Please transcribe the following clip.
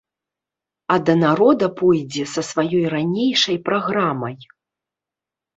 А да народа пойдзе са сваёй ранейшай праграмай.